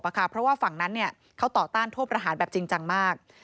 เพราะว่าฝั่งนั้นเขาต่อต้านโทษประหารแบบจริงจังมาก